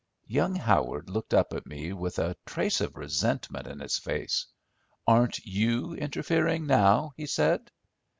Young Howard looked up at me with a trace of resentment in his face. "Aren't you interfering now?" he said.